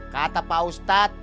kata pak ustadz